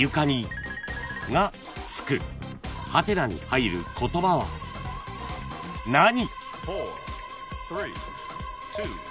［「？」に入る言葉は何？］